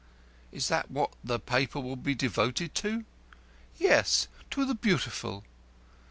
"Is that what the paper will be devoted to?" "Yes. To the Beautiful."